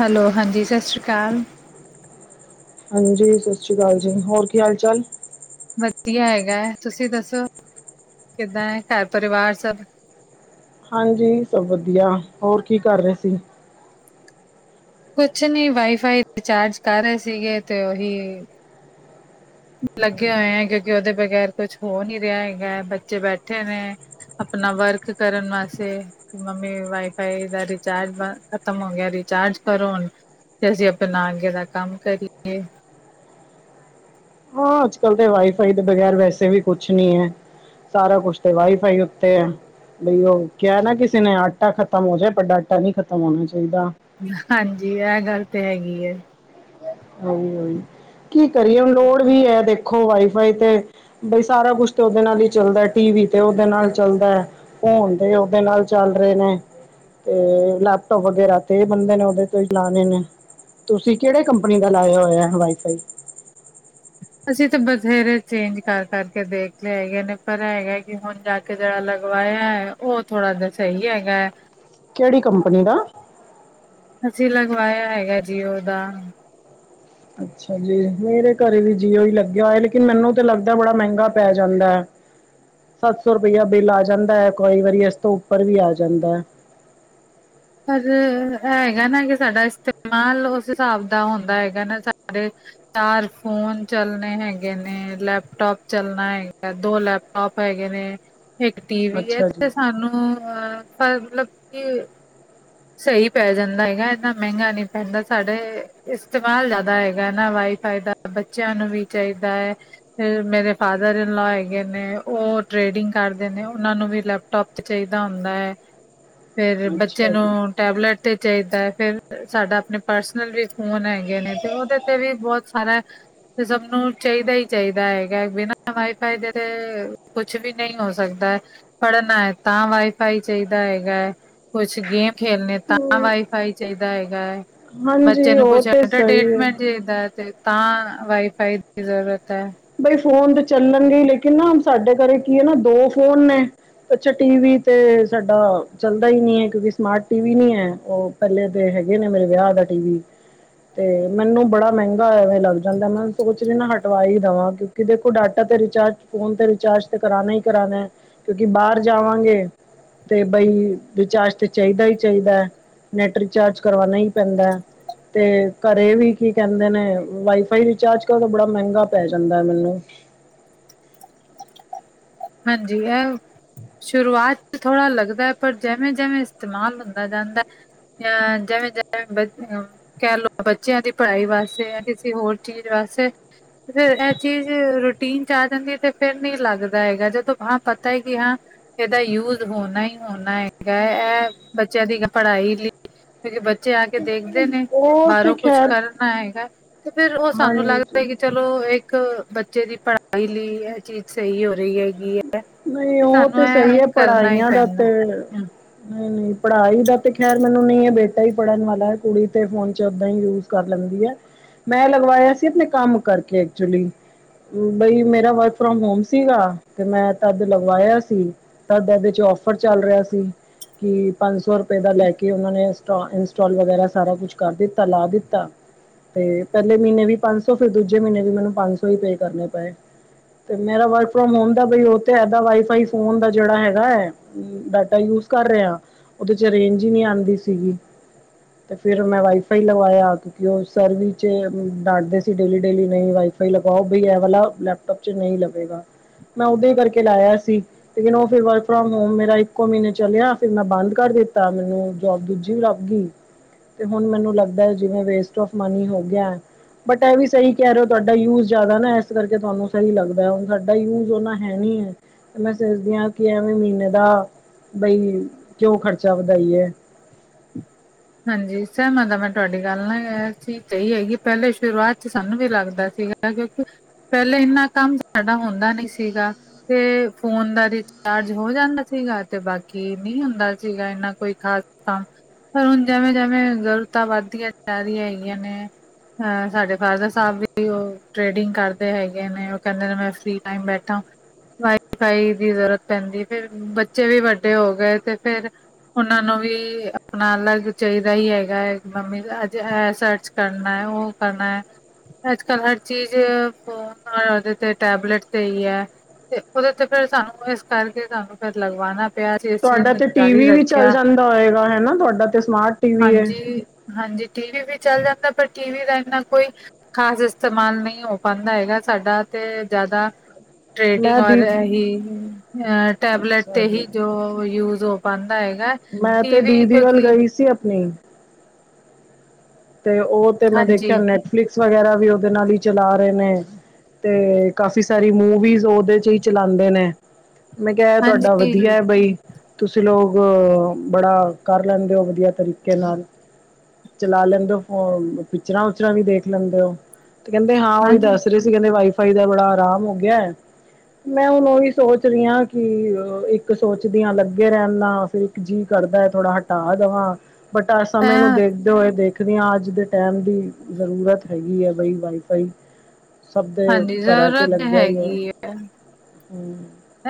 Hello ਹਾਂਜੀ, ਸਸ ਸ੍ਰੀ ਕਾਲ ਹਾਂਜੀ ਸਸ ਸ੍ਰੀ ਕਾਲ ਜੀ, ਹੋਰ ਕੀ ਹਾਲ-ਚਾਲ? ਵਦੀਆ ਹੈਗੈ ਐ। ਤੁਸੀਂ ਦੱਸੋ, ਕਿੱਦਾਂ ਐ ਘਰ ਪਰਿਵਾਰ ਸਬ? ਹਾਂਜੀ, ਸਬ ਵਦੀਆ ਹੋਰ ਕੀ ਕਰ ਰੇ ਸੀਗੇ? ਕੁਛ ਨੀ ਵਾਈਫਾਈ ਰਿਚਾਰਜ ਕਰੇ ਰੇ ਸੀਗੇ ਤੇ, ਓਹੀ [inaudible] ਲੱਗੇ ਹੋਏਂ ਐਂ ਕੇਓਕੇ ਓਦੇ ਬਗੈਰ ਕੋਛ ਹੋ ਨੀ ਰੇਆ ਹੈਗਾ ਬੱਚੇ ਬੈਠੇ ਨੇ। ਅਪਨਾ ਵਰਕ ਕਰਨ ਵਾਸੇ [inaudible] ਪਰ ਹੁਣ ਤੇ ਅਸੀਂ ਆਪਣਾ ਅਗੇ ਦਾ ਕੰਮ ਕਰੀਏ। ਹਾਂ ਅੱਜ-ਕੱਲ ਤੇ ਵਾਈਫਾਈ ਦੇ ਬਗ਼ੈਰ ਵੈਸੇ ਵੀ ਕੁਛ ਨੀ ਐ। ਸਾਰਾ ਕੁਛ ਤੇ ਵਾਈਫਾਈ ਉੱਤੇ ਐ। ਬਈ ਉਹ ਕਿਆ ਨਾ ਕਿਸੇ ਨੇ ਆਟਾ ਖਤਮ ਹੋ ਜੇ ਪਰ ਡਾਟਾ ਨੀ ਖਤਮ ਹੋਣਾ ਚਾਈਦਾ। ਹਾਂਜੀ ਇਹ ਗੱਲ ਤੇ ਹੈਗੀ ਏ। ਉਹੀ-ਉਹੀ, ਕੀ ਕਰੀਏ ਹੁਣ ਲੋੜ ਵੀ ਐ ਦੇਖੋ ਵਾਈਫਾਈ ਤੇ ਬਈ ਸਾਰਾ ਕੁਛ ਤੇ ਉਹਦੇ ਨਾਲ ਈ ਚੱਲਦਾ ਟੀ ਵੀ ਤੇ ਉਹਦੇ ਨਾਲ ਚੱਲਦਾ ਐ। ਫੋਨ ਤੇ ਉਹਦੇ ਨਾਲ ਚੱਲ ਰੇ ਨੇ। ਤੇ ਲੈਪਟੋਪ ਵਗੈਰਾ ਤੇ ਬੰਦੇ ਨੇ ਉਹਦੇ ਤੋਂ ਈ ਚਲਾਣੇ ਨੇ, ਤੁਸੀਂ ਕਿਹੜੇ ਕੰਪਨੀ ਦਾ ਲਾਇਆ ਹੋਇਆ ਵਾਈਫਾਈ? ਅਸੀਂ ਤਾਂ ਬਥੇਰੇ ਚੇਂਜ ਕਰ-ਕਰ ਕੇ ਦੇਖ ਲਿਆ ਹੈਗੇ ਨੇ ਪਰ ਹੈਗਾ ਕਿ ਹੁਣ ਜਾ ਕੇ ਜਿਹੜਾ ਲਗਵਾਇਆ ਹੈ ਉਹ ਥੋੜਾ ਜਿਹਾ ਸਹੀ ਹੈਗਾ। ਕਿਹੜੀ ਕੰਪਨੀ ਦਾ? ਅਸੀਂ ਲਗਵਾਇਆ ਹੈਗਾ ਜੀਓ ਦਾ। ਅੱਛਾ ਜੀ ਮੇਰੇ ਘਰੇ ਵੀ ਜੀਓ ਈ ਲੱਗਿਆ ਐ ਲੇਕਿਨ ਮੈਨੂੰ ਤੇ ਲੱਗਦਾ ਬੜਾ ਮਹਿੰਗਾ ਪੈ ਜਾਂਦਾ। ਸੱਤ ਸੌ ਰੁਪਇਆ ਬਿੱਲ ਆ ਜਾਂਦਾ ਐ ਕਈ ਵਾਰੀ ਇਸ ਤੋਂ ਉੱਪਰ ਵੀ ਆ ਜਾਂਦਾ। ਪਰ ਹੈਗਾ ਨਾ ਕਿ ਸਾਡਾ ਇਸਤੇਮਾਲ ਉਸ ਹਿਸਾਬ ਦਾ ਹੁੰਦਾ ਹੈਗਾ ਨਾ ਸਾਰੇ। ਚਾਰ ਫੋਨ ਚੱਲਣੇ ਹੈਗੇ ਨੇ ਲੈਪਟੋਪ ਚੱਲਣਾ ਹੈਗਾ ਦੋ ਲੈਪ ਟੋਪ ਹੈਗੇ ਨੇ ਇੱਕ। ਟੀ ਵੀ ਹੈ ਅੱਛਾ ਜੀ ਸਾਨੂੰ। ਅ ਮਤਲਬ ਕਿ। ਸਹੀ ਪੈ ਜਾਂਦਾ ਹੈਗਾ। ਇੰਨਾ ਮਹਿੰਗਾ ਨਹੀ ਪੈਂਦਾ। ਸਾਡੇ ਇਸਤੇਮਾਲ ਜ਼ਿਆਦਾ ਹੈਗਾ ਨਾ ਵਾਈਫਾਈ ਦਾ। ਬੱਚਿਆਂ ਨੂੰ ਵੀ ਚਾਹੀਦਾ ਹੈ। ਫਿਰ ਮੇਰੇ ਫਾਦਰ ਇਨਲੋ ਹੈਗੇ ਨੇ। ਉਹ ਟ੍ਰੇਡਿੰਗ ਕਰਦੇ ਨੇ। ਉਹਨਾਂ ਨੂੰ ਵੀ ਲੈਪ। ਟੋਪ ਚਾਹੀਦਾ ਹੁੰਦਾ ਹੈ। ਹਾਂ। ਫਿਰ ਬੱਚੇ ਨੂੰ ਟੈਬਲੇਟ ਤੇ ਚਾਹੀਦਾ ਹੈ। ਫ਼ਿਰ ਸਾਡਾ ਆਪਣੇ ਪਰਸਨਲ ਵੀ। ਫੋਨ ਹੈਗੇ ਨੇ। ਤੇ ਉਹਦੇ ਤੇ ਵੀ ਬਹੁਤ ਸਾਰਾ। ਸਭ ਨੂੰ ਚਾਹੀਦਾ ਹੀ ਚਾਹੀਦਾ ਹੈਗਾ। ਬਿਨਾਂ ਵਾਾਈ ਫਾਈ ਦੇ ਤੇ ਕੁਛ ਵੀ ਨਹੀਂ ਹੋ ਸਕਦਾ। ਪੜ੍ਹਨਾ ਹੈ ਤਾਂ ਵਾਈਫਾਈ ਚਾਹੀਦਾ ਹੈਗਾ। ਹੈ ਕੁਛ ਗੇਮ। ਖੇਲਣੇ ਤਾਂ ਜੀ ਵਾਈਫਾਈ ਚਾਈਦਾ ਹੈਗਾ। ਬੱਚੇ ਹਾਂਜੀ ਨੂੰ ਉਹ ਕੁਛ ਤੇ ਸਹੀ ਹੈ ਇਨਟਰਡੇਟਮੇਟ ਚਾਈਦਾ ਤੇ ਵਾਈਫਾਈ ਦੀ ਜ਼ਰੂਰਤ ਐ। ਬਈ ਫੋਨ ਤਾਂ ਚੱਲਣਗੇ ਲੇਕਿਨ ਨਾ ਸਾਡੇ ਘਰੇ ਕੀ ਐ ਨਾ ਦੋ ਫੋਨ ਨੇ। ਅੱਛਾ। ਟੀ ਵੀ ਤੇ ਸਾਡਾ ਚੱਲਦਾ ਹੀ ਨਹੀਂ ਹੈ। ਕਿਉਂਕਿ ਸਮਾਰਟ ਟੀ ਵੀ ਨ ਹੈ ਉਹ। ਪਹਿਲੇ ਦੇ ਹੈਗੇ ਨੇ ਮੇਰੇ ਵਿਆਹ ਦਾ। ਟੀ ਵੀ ਤੇ ਮੈਨੂੰ ਬੜਾ ਮਹਿੰਗਾ ਹੋਇਆ। ਲੱਗ ਜਾਂਦਾ। ਮੈਨੂੰ ਸੋਚ 'ਚ ਨਾ ਹਟਵਾਈ। ਦੇਵਾ ਕਿਉਂਕਿ ਦੇਖੋ। ਡਾਟਾ ਤੇ ਰਿਚਾਰਜ। ਫੋਨ ਤੇ ਰਿਚਾਰਜ ਤੇ ਕਰਾਣਾ ਹੀ ਕਰਾਣਾ ਹੈ। ਕਿਉਂਕਿ ਬਾਹਰ ਜਾਵਾਂਗੇ। ਤੇ ਬਈ ਵਿਚਾਰ ਤੇ ਚਾਹੀਦਾ ਹੀ ਚਾਹੀਦਾ ਹੈ। ਨੈਟ ਰਿਚਾਰਜ ਕਰਵਾਉਣਾ ਹੀ ਪੈਂਦਾ ਹੈ। ਤੇ ਘਰੇ ਵੀ ਕੀ ਕਹਿੰਦੇ ਨੇ। ਵਾਈਫਾਈ ਰਿਚਾਰਜ ਕਰੋ ਬੜਾ ਮਹਿੰਗਾ। ਪੈ ਜਾਂਦਾ ਮੈਨੂੰ। ਹਾਂਜੀ ਹੈ। ਸ਼ੁਰੂਆਤ ਚ ਥੋੜ੍ਹਾ ਲੱਗਦਾ ਹੈ। ਪਰ ਜਿਵੇਂ ਜਿਵੇਂ ਇਸਤੇਮਾਲ ਹੁੰਦਾ ਜਾਂਦਾ। ਹ ਜਵੇ ਜਮ ਬਪੇ। ਕਹਿ ਲਓ ਬੱਚਿਆਂ ਦੀ ਪੜ੍ਹਾਈ ਵਾਸਤੇ। ਜਾਂ ਕਿਸੇ ਹੋਰ ਚੀਜ਼ ਵਾਸਤੇ। ਫਿਰ ਇਹ ਚੀਜ਼ ਰੂਟੀਨ ਚ ਆ ਜਾਂਦੀ। ਤੇ ਫੇਰ ਨਹੀਂ ਲੱਗਦੀ। ਏਗਾ ਜਦ ਹਾਂ। ਪਤਾ ਹੈ ਕਿ ਹਾਂ। ਇਹਦਾ ਯੂਜ ਹੋਣਾ ਹੀ ਹੋਣਾ ਹੈਗਾ। ਇਹ ਬੱਚਿਆਂ ਦੀ ਪੜ੍ਹਾਈ ਲਈ। ਕਿਉਂਕ ਬੱਚੇ ਆ ਕੇ। ਦੇਖਦੇ ਨੇ ਉਹ ਤੇ ਬਾਹਰੋਂ ਕੁਛ ਖੈਰ ਕਰਨਾ ਹੈਗਾ। ਤੇ ਫੇਰ ਉਹ ਸਾਨੂੰ ਹਾਂਜੀ ਲੱਗਦਾ ਕਿ। ਚਲੋ ਇੱਕ ਬੱਚੇ ਦੀ ਪੜ੍ਹਾਈ ਲਈ ਇਹ ਚੀਜ਼ ਸਹੀ ਹੋ ਰਹੀ ਹੈਗੀ ਹੈ। ਨਹੀਂ ਉਹ ਸਾਨੂੰ ਤੇ ਸਹੀ ਇਹ ਹੈ ਕਰਨਾ ਹੀ ਪੜ੍ਹਾਈਆਂ ਦਾ ਪੈਂਦਾ। ਤੇ। ਹੂੰ ਨਹੀਂ- ਨਹੀਂ। ਪੜ੍ਹਾਈ ਦਾ ਤੇ ਖੈਰ ਮੈਨੂੰ ਨਹੀਂ ਹੈ। ਬੇਟਾ ਹੀ ਪੜ੍ਹਨ ਵਾਲਾ। ਕੁੜੀ ਤੇ ਫੋਨ 'ਚ ਓਦਾਂ ਹੀ ਯੂਜ ਕਰ ਲੈਂਦੀ ਹੈ। ਮੈਂ ਲਗਵਾਇਆ ਸੀ। ਆਪਣੇ ਕੰਮ ਕਰਕੇ ਐਕਚੁਲੀ। ਬਈ ਮੇਰਾ ਵਰਕ ਫਰੋਮ ਹੋਮ ਸੀਗਾ। ਤੇ ਮੈਂ ਤਦ ਲਗਵਾਇਆ ਸੀ। ਤਦਦੇ 'ਚ ਔਫਰ ਚੱਲ ਰਿਹਾ ਸੀ। ਕਿ ਪੰਜ ਸੌ ਉਪ ਦਾ ਲੈ ਕੇ ਉਹਨਾਂ ਨੇ ਇਟ ਇੰਸਟਾਲ ਵਗੈਰਾ ਸਾਰਾ ਕੁਛ ਕਰ ਦਿੱਤਾ। ਲਾ ਦਿੱਤਾ। ਤੇ ਪਹਿਲੇ ਮਹੀਨੇ ਵੀ ਪੰਜ ਸੌ। ਫੇਰ ਦੂਜੇ ਮਹੀਨੇ ਵੀ ਮੈਨੂੰ ਪੰਜ ਸੌ ਹੀ ਪੇ ਕਰਨੇ ਪਏ। ਤੇ ਮੇਰਾ ਵਰਕ ਫਰੋਮ ਹੋਮ ਦਾ ਬਈ। ਤੇ ਇਏਦਾਂ ਵਾਈਫਾਈ ਫੋਨ ਦਾ ਜਿਹੜਾ ਹੈਗਾ ਹੈ। ਡਾਟਾ ਯੂਜ ਕਰ ਰਿਹਾ। ਉਹਦੇ 'ਚ ਰੇਂਜ ਹੀ ਨਹੀਂ ਆਉਂਦੀ ਸੀਗੀ। ਤੇ ਫਿਰ ਮੈਂ ਵਾਈਫਾਈ ਲਵਾਇਆ। ਕਿਉਂਕਿ ਉਹ ਸਰ ਵੀ ਡਾਂਟਦੇ ਸੀ। ਡੇਲੀ -ਡੇਲੀ ਨਹੀਂ ਵਾਈਫਾਈ। ਲਗਾਓ ਬਈ। ਇਹ ਵਾਲਾ ਲੈਪਟੋਪ 'ਚ ਨਹੀਂ ਲਵੇਗਾ। ਮੈਂ ਉਦਾਂ ਹੀ ਕਰਕੇ ਲਾਇਆ ਸੀ। ਲੇਕਿਨ ਉਹ ਫੇਰ ਵਰਕ ਫਰੋਮ ਹੋਮ। ਮੇਰਾ ਇੱਕੋ ਮਹੀਨੇ ਚਲਿਆ। ਫਿਰ ਮੈਂ ਬੰਦ ਕਰ ਦਿੱਤਾ। ਮੈਨੂੰ ਜੋਬ ਦੂਜੀ ਵੀ ਲੱਭ ਗਈ। ਤੇ ਹੁਣ ਮੈਨੂੰ ਲੱਗਦਾ ਹੈ ਜਿਵੇਂ ਵੇਸਟ ਫ ਮਨੀ ਹੋ ਗਿਆ। ਬਟ ਇਹ ਵੀ ਸਹੀ ਕਹਿ ਰਹੇ ਹੋ। ਤੁਹਾਡਾ ਯੂਜ ਜ਼ਿਆਦਾ ਨਾ। ਇਸ ਕਰਕੇ ਤੁਹਾਨੂੰ ਸਹੀ ਲੱਗਦਾ। ਹੁਣ ਸਾਡਾ ਯੂਜ ਨਾ ਹੈ ਨ ਹੈ। ਮੈਂ ਸੋਚਦੀ ਹਾਂ। ਕਿ ਐਵੇਂ ਮਹੀਨੇ ਦਾ। ਬਈ, ਕਿਉਂ ਖਰਚਾ ਵਧਾਈ । ਹਾਂਜੀ। ਸਹਿਮਤਤਾ ਮੈਂ ਤੁਹਾਡੀ ਗੱਲ ਨਾ ਚੀ ਸਹੀ ਹੈਗੀ। ਪਹਿਲੇ ਸ਼ੁਰੂਆਤ ਚ ਸਾਨੂੰ ਵੀ ਲੱਗਦਾ ਸੀਗਾ। ਕਿਉਂਕਿ ਪਹਿਲੇ ਇੰਨਾ ਕੰਮ ਸਾਡਾ ਹੁੰਦਾ ਨੀ ਸੀਗਾ। ਤੇ ਫੋਨ ਦਾ ਰਿਚਾਰਜ ਹੋ ਜਾਂਦਾ ਸੀਗਾ। ਤੇ ਬਾਕੀ ਨਹੀਂ ਹੁੰਦਾ ਸੀਗਾ। ਇੰਨਾ ਕੋਈ ਖਾਸ ਕੰਮ ਪਰ ਹੁਣ ਜਿਵੇਂ- ਜਿਵੇਂ ਜ਼ਰੂਰਤਾਂ ਵੱਧਦੀਆਂ ਜਾ ਰਿਆਂ ਹੈਗੀਆਂ ਨੇ। ਅ ਸਾਡੇ ਫਾਦਰ ਸਾਹਿਬ ਵੀ ਉਹ ਟ੍ਰੇਡਿੰਗ ਕਰਦੇ ਹੈਗੇ ਨੇ। ਉਹ ਕਹਿੰਦੇ ਨੇ ਮੈਂ ਫਰੀ ਟਾਈਮ ਬੈਠਾ। ਵਾਈਫਾਈ ਦੀ ਜ਼ਰੂਰਤ ਪੈਂਦੀ। ਫਿਰ ਬੱਚੇ ਵੀ ਵੱਡੇ ਹੋ ਗਏ। ਤੇ ਫੇਰ ਉਹਨਾਂ ਨੂੰ ਵੀ ਆਪਣਾ ਅਲੱਗ ਚਾਹੀਦਾ ਹੀ ਹੈਗਾ ਹੈ। ਮੰਮੀ ਅੱਜ ਇਹ ਸਰਚ ਕਰਨਾ, ਉਹ ਕਰਨਾ ਹੈ। ਅੱਜ ਕੱਲ੍ਹ ਹਰ ਚੀਜ਼ ਫੋ, ਉਹਦੇ ਤੇ ਟੈਬਲੇਟ ਤੇ ਹੀ ਹੈ। ਤੇ ਉਹਦੇ ਤੇ ਫਿਰ ਸਾਨੂੰ ਇਸ ਕਰਕੇ ਸਾਨੂੰ ਫਿਰ ਲਗਵਾਣਾ ਪਿਆ ਅਆ। ਇਸ ਚੀਜ਼ ਤੁਹਾਡਾ ਨੂੰ ਤੇ ਜਾਰੀ ਟੀਵੀ ਵੀ ਚੱਲ ਰੱਖਿਆ। ਜਾਂਦਾ ਹੋਏਗਾ ਹਨਾ। ਤੁਹਾਡਾ ਤੇ ਸਮਾਰਟ ਟੀਵੀ ਹੈ ਹਾਂਜੀ- ਹਾਂਜੀ ਟੀਵੀ ਵੀ ਚੱਲ ਜਾਂਦਾ ਪਰ ਟੀ ਵੀ ਦਾ ਇੰਨਾ ਕੋਈ ਖ਼ਾਸ ਇਸਤੇਮਾਲ ਨਹੀਂ ਹੋ ਪਾਉਂਦਾ ਹੈਗਾ। ਸਾਡਾ ਤੇ ਜ਼ਿਆਦਾ। ਟਡਿੰਗ ਮੈਂ ਦੀ ਹੀ, ਟੈਬਲੇਟ ਅੱਛਾ ਤੇ ਹੀ ਜੀ ਜੋ ਯੂਜ ਹੋ। ਬੰਦਾ ਹੈਗਾ। ਮੈਂ ਤੇ ਟੀ ਵੀ ਦੀਦੀ ਵੱਲ ਕਿਉਂਕਿ ਗਈ ਸੀ। ਆਪਣੀ। ਤੇ ਉਹ ਤੇ ਮੈਂ ਹਾਂਜੀ ਦੇਖਿਆ। ਨੈਟਫਲਿਕਸ ਵਗੈਰਾ ਵੀ ਓਦੇ ਨਾਲ ਹੀ ਚਲਾ ਰਹੇ ਨੇ। ਤੇ ਕਾਫੀ ਸਾਰੀ ਮੂਵੀਜ਼ ਉਹਦੇ ਚ' ਹੀ ਚਲਾਉਂਦੇ ਨੇ। ਮੈਂ ਕਿਹਾ ਤੁਹਾਡਾ ਵਧੀਆ ਹਾਂਜੀ, ਹੈ ਬਾਈ। ਤੁਸੀਂ ਲੋਕ, ਬੜਾ ਕਰ ਲੈਂਦੇ ਹੋ ਵਧੀਆ ਤਰੀਕੇ ਨਾਲ। ਚਲਾ ਲੈਂਦੇ ਹੋ ਫੋ ਪਿਕਚਰਾਂ ਉਚਰਾਂ ਵੀ ਦੇਖ ਲੈਂਦੇ ਹੋ। ਤੇ ਕਹਿੰਦੇ ਹਾਂ। ਉਹੀ ਹਾਂਜੀ ਦੱਸ ਰਹੇ। ਕਹਿੰਦੇ ਵਾਈਫਾਈ ਦਾ ਬੜਾ ਆਰਾਮ ਹੋ ਗਿਆ। ਮੈਂ ਹੁਣ ਉਹੀ ਸੋਚ ਰਹੀ ਹਾਂ। ਕਿ, ਇੱਕ ਸੋਚਦੀ ਹਾਂ ।ਅ ਲੱਗੇ ਰਹਿਣ ਨਾਲ ਫਿਰ। ਜੀਅ ਕਰਦਾ ਹੈ ਥੋੜਾ ਹਟਾ ਦੇਵਾਂ। ਬਟ ਆ ਐ ਸਮੇਂ ਨੂੰ ਦੇਖਦੇ ਹੋਏ ਦੇਖ ਦੇਖਦੇ ਹਾਂ। ਅੱਜ ਦੇ ਟਾਈਮ ਦੀ ਜ਼ਰੂਰਤ ਹੈਗੀ ਹੈ ਬਈ ਵਾਈਫਾਈ। ਸਭ ਦੇ ਹਾਂਜੀ ਘਰਾਂ ਚ ਜ਼ਰੂਰਤ ਤੇ ਲੱਗਿਆ ਹੀ ਹੈਗੀ ਹਮ ਏ।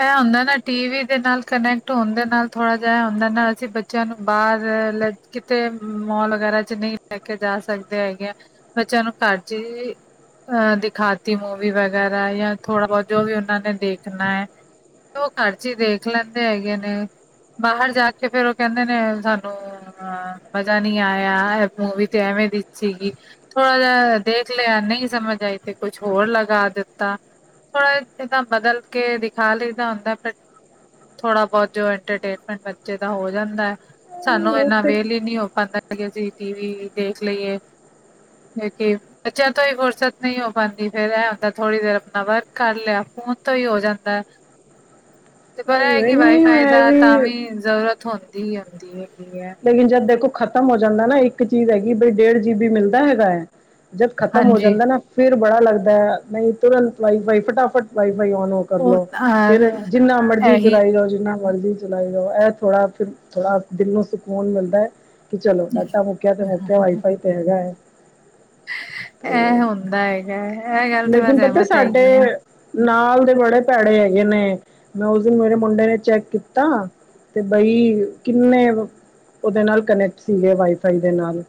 ਇਹ ਹੁੰਦਾ ਨਾ ਟੀ ਵੀ ਦੇ ਨਾਲ ਕਨੈਕਟ ਹੋਣ ਦੇ ਨਾਲ ਥੋੜ੍ਹਾ ਜਿਹਾ ਹੁੰਦਾ ਨਾ ਅਸੀਂ ਬੱਚਿਆਂ ਨੂੰ ਬਾਹਰ ਲ ਕਿਤੇ ਮੋਲ ਵਗੈਰਾ ਚ ਨਹੀਂ ਲੈ ਕੇ ਜਾ ਸਕਦੇ ਹੈਗੇ ਆ ਬੱਚਿਆਂ ਨੂੰ ਘਰਜ਼ ਅਹ ਦਿਖਾਤੀ ਮੂਵੀ ਵਗੈਰਾ ਜਾਂ ਥੋੜਾ ਬਹੁਤ ਜੋ ਵੀ ਉਹਨਾਂ ਨੇ ਦੇਖਣਾ ਹੈ। ਉਹ ਘਰ ਚ' ਹੀ ਦੇਖ ਲੈਂਦੇ ਹੈਗੇ ਨੇ। ਬਾਹਰ ਜਾ ਕੇ ਫੇਰ ਉਹ ਕਹਿੰਦੇ ਨੇ ਸਾਨੂੰ। ਹਾਂ। ਮਜ਼ਾ ਨਹੀਂ ਆਇਆ। ਮੂਵੀ ਤੇ ਐਵੇਂ ਦੀ ਸੀਗੀ। ਥੋੜਾ ਜਿ ਦੇਖ ਲਿਆ। ਨਹੀਂ ਸਮਝ ਆਈ ਤੇ ਕੁਛ ਹੋਰ ਲਗਾ ਦਿੱਤਾ। ਥੋੜਾ ਜਏਦਾਂ ਬਦਲ ਕੇ ਦਿਖਾ ਲਈਦਾ ਹੁੰਦਾ। ਪਰ ਥੋੜਾ ਬਹੁਤ ਜੋ ਇੰਟਰਟੇਨਮੈਂਟ ਬੱਚੇ ਦਾ ਹੋ ਜਾਂਦਾ ਹੈ। ਹਮ ਸਾਨੂੰ ਉਹ ਇੰਨਾ ਤੇ ਵੇਲ ਹੀ ਨੀ ਹੋ ਪਾਉਂਦਾ। ਸੀ ਟੀ ਵੀ ਦੇਖ ਲਈਏ ਕਿਉਿ ਬੱਚਾ ਤੋਂ ਹੀ ਫ਼ੁਰਸਤ ਨਹੀਂ ਹੋ ਹਾਂਜੀ। ਫੇਰ ਇਹ ਹੁੰਦਾ ਥੋੜ੍ਹੀ ਦੇਰ ਆਪਣਾ ਵਰਕ ਕਰ ਲਿਆ। ਫੋਨ ਤੋਂ ਹੀ ਹੋ ਜਾਂਦਾ। ਤੇ ਪਤਾ ਹੈ ਕਿ ਨਹੀਂ ਵਾਈਫਾਈ ਦਾ ਇਹ ਤਾਂ ਵੀ ਜ਼ਰੂਰਤ ਹੁੰਦੀ ਹੀ ਹੁੰਦੀ ਹੈਗੀ ਹੈ ਲੇਕਿਨ ਜਦ ਦੇਖੋ ਖ਼ਤਮ ਹੋ ਜਾਂਦਾ ਨਾ ਇੱਕ ਚੀਜ਼ ਹੈਗੀ ਬਈ ਡੇਢ ਜੀ ਬੀ ਮਿਲਦਾ ਹੈਗਾ ਹੈ ਜਦ ਖ਼ਤਮ ਹੋ ਹਾਂਜੀ ਜਾਂਦਾ ਨਾ ਫੇਿਰ ਬੜਾ ਲੱਗਦਾ ਹੈ ਨਹੀਂ ਤੁਰੰਤ ਵਾਈਫਾਈ ਫਟਾਫਟ ਵਾਈਫਾਈ ਨ ਉਹ ਕਰਲੋ ਫੇਿਰ ਅਹ ਜਿੰਨਾ ਮਰਜ਼ੀ ਇਹੀ ਚਲਾਈ ਲਓ ਜਿੰਨਾ ਮਰਜ਼ੀ ਚਲਾਈ ਜਾਓ ਇਹ ਥੋੜ੍ਹਾ ਫਿਰ ਥੋੜਾ ਦਿਲ ਨੂੰ ਸਕੂਨ ਮਿਲਦਾ ਹੈ ਕਿ ਚਲੋ ਡਾਟਾ ਮੁੱਕਿਆ ਤੇ ਮੁੱਕਿਆ ਵਾਈਫਾਈ ਤੇ ਹੈਗਾ ਹੈ ਤੇ ਇਹ ਹੁੰਦਾ ਹੈਗਾ ਇਹ ਗੱਲ ਤੇ ਮੈਂ ਲੇਕਿਨ ਪਤਾ ਸਹਿਮਤ ਹੈਗੀ ਸਾਡੇ ਹਾਂ ਨਾਲ ਦੇ ਬੜੇ ਭੈੜੇ ਹੈਗੇ ਨੇ ਮੈਂ ਉਸ ਦਿਨ ਮੇਰੇ ਮੁੰਡੇ ਨੇ ਚੈੱਕ ਕੀਤਾ ਤੇ ਬਈ ਕਿੰਨੇ ਉਹਦੇ ਨਾਲ ਕਨੈਕਟ ਸੀਗੇ ਵਾਈਫਾਈ ਦੇ ਨਾਲ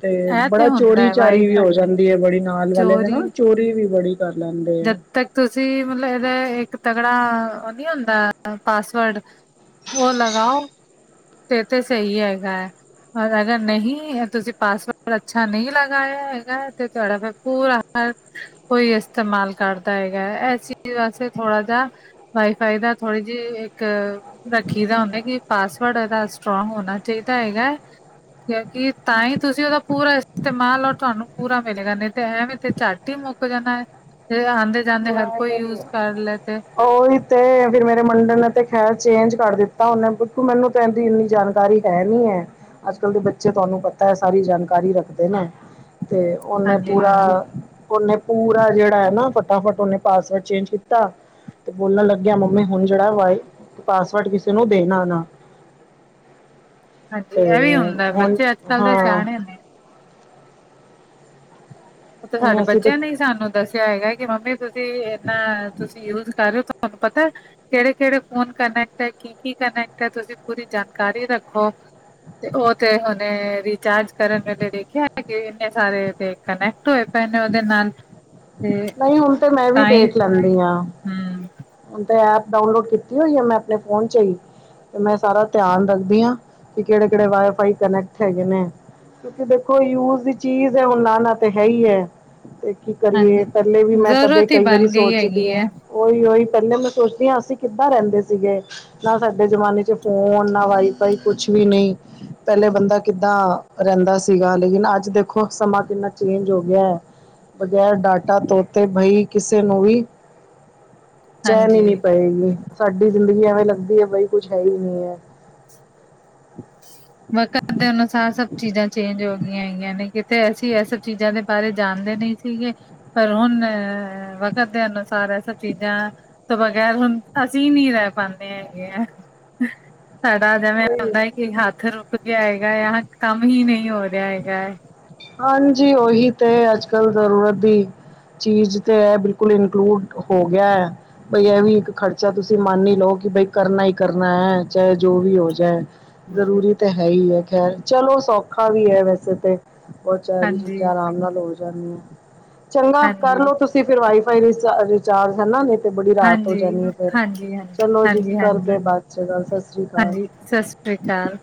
ਤੇ ਇਹ ਤੇ ਬੜਾ ਹੁੰਦਾ ਚੋਰੀ ਹੈ ਚਾਰੀ ਵੀ ਵਾਈਫਾਈ ਹੋ ਜਾਂਦੀ ਹੈ ਬੜੀ ਨਾਲ ਵਾਲੇ ਦੇ ਚੋਰੀ ਨਾ ਚੋਰੀ ਵੀ ਬੜੀ ਕਰ ਲੈਂਦੇ ਆ ਤੇ ਤੁਸੀਂ ਮਤਲਬ ਇਹਦਾ ਇੱਕ ਤਗੜਾ ਉਹ ਨਹੀਂ ਹੁੰਦਾ ਪਾਸਵਰਡ ਉਹ ਲਗਾਉ ਤੇ ਤੇ ਸਹੀ ਹੈਗਾ ਹੈ ਔਰ ਅਗਰ ਨਹੀਂ ਤੁਸੀਂ ਪਾਸਵਰਡ ਅੱਛਾ ਨਹੀਂ ਲਗਾਇਆ ਹੈਗਾ ਅਤੇ ਤੁਹਾਡਾ ਫਿਰ ਪੂਰਾ ਹਰ ਕੋਈ ਇਸਤੇਮਾਲ ਕਰਦਾ ਹੈਗਾ ਹੈ ਇਸ ਚੀਜ਼ ਵਾਸਤੇ ਥੋੜ੍ਹਾ ਜਿਆ ਵਾਈਫਾਈ ਦਾ ਥੋੜੀ ਜਿਹੀ ਇੱਕ ਰੱਖੀ ਦਾ ਉਹਨੇ ਕਿ ਪਾਸ ਥੋੜ੍ਹਾ ਜਿਹਾ ਸਟਰੋਂਗ ਹੋਣਾ ਚਾਹੀਦਾ ਹੈਗਾ ਕਿ ਤਾਂ ਹੀ ਤੁਸੀਂ ਉਹਦਾ ਪੂਰਾ ਇਸਤੇਮਾਲ ਔਰ ਤੁਹਾਨੂੰ ਪੂਰਾ ਮਿਲੇਗਾ ਨਹੀਂ ਤੇ ਐਵੇਥੇ ਝੱਡ ਮੁੱਕ ਜਾਂਦਾ ਆਉਂਦੇ ਜਾਂਦੇ ਹਰ ਕੋਈ ਨਹੀਂ ਯੂਜ ਕਰ ਲੈ ਤੇ ਉਹੀ ਤੇ ਫਿਰ ਮੇਰੇ ਮੁੰਡੇ ਨੇ ਤੇ ਖੈਰ ਚੇਂਜ ਕਰ ਦਿੱਤਾ ਉਹਨੇ ਬਕ ਮੈਨੂੰ ਕਹਿੰਦੀ ਇੰਨੀ ਜਾਣਕਾਰੀ ਹੈ ਨੀ ਹੈ ਅੱਜ ਕੱਲ ਦੇ ਬੱਚੇ ਤੁਹਾਨੂੰ ਪਤਾ ਹੈ ਸਾਰੀ ਜਾਣਕਾਰੀ ਰੱਖਦੇ ਨੇ ਤੇ ਉਹਨੇ ਹਾਂਜੀ ਪੂਰਾ ਹਾਂਜੀ। ਉਹਨੇ ਪੂਰਾ ਜਿਹੜਾ ਹੈ ਨਾ ਫਟਾਫਟ ਉਹਨੇ ਪਾਸਵਰਡ ਚੇਂਜ ਕੀਤਾ ਤੇ ਬੋਲਣ ਲੱਗਿਆ ਮੰਮੀ ਹੁਣ ਜਿਹੜਾ ਵ ਪਾਸਵਰਡ ਕਿਸੇ ਨੂੰ ਦੇਣਾ ਨਾ ਹਾਂਜੀ ਤੇ ਇਹ ਵੀ ਹੁੰਦਾ ਹੁਣ ਬੱਚੇ ਅੱਜ ਕੱਲ੍ਹ ਦੇ ਹਾਂ ਸਿਆਣੇ ਨੇ। ਉਥੇ ਸਾਡੇ ਅਸੀਂ ਤੇ ਬੱਚਿਆਂ ਨੇ ਹੀ ਸਾਨੂੰ ਦੱਸਿਆ ਹੈਗਾ ਕਿ ਮੰਮੀ ਤੁਸੀਂ ਇਨਾ ਤੁਸੀਂ ਯੂਜ ਕਰਿ ਤੁਹਾਨੂੰ ਪਤਾ ਕਿਹੜੇ ਕਿਹੜੇ ਫੋਨ ਕਨੈਕਟ ਹੈ ਕੀ ਕੀ ਕਨੈਕਟ ਹੈ ਤੁਸੀਂ ਪੂਰੀ ਜਾਣਕਾਰੀ ਰੱਖੋ ਤੇ ਉਹ ਤੇ ਹੁਣੇੇ ਵੀ ਚਾਰਜ ਕਰਨ ਵੇਲੇ ਦੇਖਿਆ ਹੈ ਕਿ ਇੰਨੇ ਸਾਰੇ ਕਨੈਕਟ ਹੋਏ ਪਏ ਨੇ ਉਹਦੇ ਨਾਲ ਤੇ ਨਹੀਂ ਹੁਣ ਤੇ ਮੈਂ ਵੀ ਤਾਂ ਹੀ ਦੇਖ ਲੈਂਦੀ ਹਾਂ ਹਮ ਹੁਣ ਤਾਂ ਐਪ ਡਾਊਨਲੋਡ ਕੀਤੀ ਹੋਈ ਆ ਮੈਂ ਆਪਣੇ ਫੋਨ ਚ ਹੀ ਤੇ ਮੈਂ ਸਾਰਾ ਧਿਆਨ ਰੱਖਦੀ ਹਾਂ ਕਿ ਕਿਹੜੇ ਕਿਹੜੇ ਵਾਈਫਾਈ ਕਨੈਕਟ ਹੈਗੇ ਨੇ ਕਿਉਂਕਿ ਦੇਖੋ ਯੂਜ ਦੀ ਚੀਜ਼ ਹੈ ਹੁਣ ਨਾ ਨਾ ਤਾਂ ਹੈ ਹੀ ਹੈ ਤੇ ਕੀ ਕਰੀਏ ਹਾਂਜੀ ਪਹਿਲੇ ਵੀ ਮੈਂ ਕਦੇ ਜ਼ਰੂਰਤ ਹੀ ਕਈ ਵਾਰੀ ਬਣ ਗਈ ਸੋਚਦੀ ਹੈਗੀ ਆਾਂ ਹੈ ਉਹੀ ਉਹੀ ਪਹਿਲੇ ਮੈਂ ਸੋਚਦੀ ਹਾਂ ਅਸੀਂ ਕਿੱਦਾਂ ਰਹਿੰਦੇ ਸੀਗੇ ਨਾ ਸਾਡੇ ਜ਼ਮਾਨੇ ਚ ਫੋਨ ਨਾ ਵਾਈਫਾਈ ਕੁਛ ਵੀ ਨਹੀਂ ਪਹਿਲੇ ਬੰਦਾ ਕਿੱਦਾਂ ਰਹਿੰਦਾ ਸੀਗਾ ਲੇਕਿਨ ਅੱਜ ਦੇਖੋ ਸਮਾਂ ਕਿੰਨਾ ਚੇਂਜ ਹੋ ਗਿਆ ਹੈ ਬਗੈਰ ਡਾਟਾ ਤੋ ਤੇ ਬਈ ਕਿਸੇ ਨੂੰ ਵੀ ਚੈਨ ਨੀ ਹਾਂਜੀ ਪਏਗੀ ਸਾਡੀ ਜ਼ਿੰਦਗੀ ਐਵੇਂ ਲੱਗਦੀ ਹੈ ਬਈ ਕੁੱਛ ਹੈ ਹੀ ਨਹੀਂ ਹੈ ਵਕਤ ਦੇ ਅਨੁਸਾਰ ਸਭ ਚੀਜ਼ਾਂ ਚੇਂਜ ਹੋ ਗਈਆਂ ਹੈਗੀਆਂ ਨੇ ਕਿਤੇ ਅਸੀਂ ਇਹ ਸਭ ਚੀਜ਼ਾਂ ਦੇ ਬਾਰੇ ਜਾਣਦੇ ਨਹੀਂ ਸੀਗੇ ਪਰ ਹੁਣ ਵਕਤ ਦੇ ਅਨੁਸਾਰ ਐਸਾ ਚੀਜ਼ਾਂ ਤੋਂ ਬਗੈਰ ਹੁਣ ਅਸੀਂ ਨਹੀਂ ਰਹਿ ਪਾਉਦੇ ਹੈਗੇ ਆ ਸਾਡਾ ਜਿਵੇਂ ਉਹੀ ਹੁੰਦਾ ਹੈ, ਕਿ ਹੱਥ ਰੁਕ ਗਿਆ ਹੈਗਾ, ਆ ਕੰਮ ਹੀ ਨਹੀਂ ਹੋ ਰਿਹਾ ਹੈਗਾ ਹੈ। ਹਾਂਜੀ ਉਹੀ ਤੇ ਅੱਜ-ਕੱਲ ਜ਼ਰੂਰਤ ਦੀ, ਚੀਜ਼ ਤੇ ਇਹ ਬਿਲਕੁਲ, ਇਨਕਲੂਡ ਹੋ ਗਿਆ ਹੈ। ਬਈ ਇਹ ਵੀ ਇੱਕ ਖਰਚਾ ਤੁਸੀਂ ਮੰਨੀ ਹੀ ਲਓ, ਕਿ ਬਈ ਕਰਨਾ ਹੀ ਕਰਨਾ ਹੈ, ਚਾਹੇ ਜੋ ਵੀ ਹੋ ਜਾਏ। ਜ਼ਰੂਰੀ ਤਾਂ ਹੈ, ਹੀ ਹੈ ਖੈਰ ਚਲੋ ਸੌਖਾ ਵੀ ਹੈ ਵੈਸੇ ਤੇ। ਬਚਾਰੀ ਹਾਂਜੀ ਚੀਜ਼ਾਂ ਆਰਾਮ ਨਾਲ ਹੋ ਜਾਂਦੀਆਂ, ਚੰਗਾ ਹਾਂਜੀ ਕਰਲੋ ਤੁਸੀਂ, ਫਿਰ ਵਾਈਫਾਈ ਰਿਚਾਰਜ ਹਨਾ, ਤੇ ਬੜੀ ਰਾਤ ਹੋ ਹਾਂਜੀ ਜਾਂਣੀ ਆ ਫਿਰ, ਹਾਂਜੀ ਹਾਂਜੀ ਚਲੋ ਜੀ ਹਾਂਜੀ ਹਾਂਜੀ ਕਰਦੇ ਬਾਅਦ ਚ ਗੱਲ ਸਤਿ ਸ੍ਰੀ ਅਕਾਲ। ਹਾਂਜੀ ਸਤਿ ਸ਼੍ਰੀ ਅਕਾਲ,